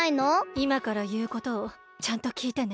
いまからいうことをちゃんときいてね。